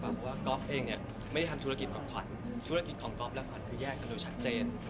เพราะว่าก็เองไม่ได้ทำธุรกิจของขวัญธุรกิจของก็แยกกันโดยชัดเจน